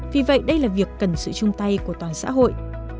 vì vậy đây là việc cần sự chung tay của toàn xã hội